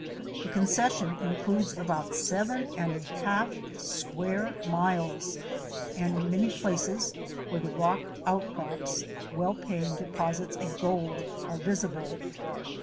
The concession includes about seven and a half square miles, and in many places where the rock outcrops, well paying deposits of gold are visible.